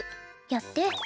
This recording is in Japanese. やって。